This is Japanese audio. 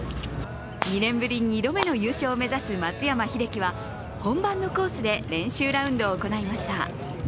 ２年ぶり２度目の優勝を目指す松山英樹は本番のコースで練習ラウンドを行いました。